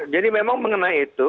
jadi memang mengenai itu